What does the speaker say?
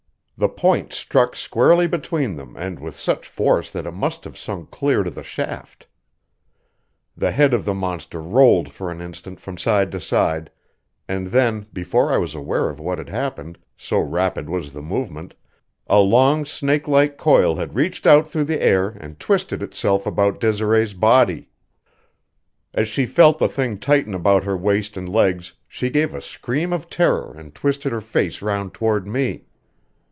The point struck squarely between them with such force that it must have sunk clear to the shaft. The head of the monster rolled for an instant from side to side, and then, before I was aware of what had happened, so rapid was the movement, a long, snakelike coil had reached out through the air and twisted itself about Desiree's body. As she felt the thing tighten about her waist and legs she gave a scream of terror and twisted her face round toward me.